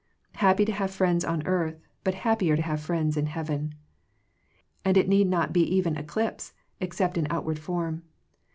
Happy to have friends on earth, but hap pier to have friends in heaven. And it need not be even eclipse, except in outward form.